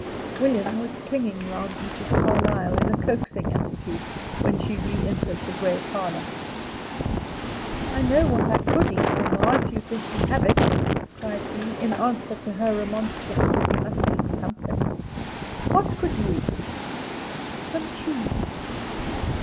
William was clinging round Mrs. Carlyle, in a coaxing attitude, when she re entered the gray parlor. "I know what I could eat, mamma, if you'd let me have it," cried he, in answer to her remonstrance that he must eat something. "What could you eat?" "Some cheese."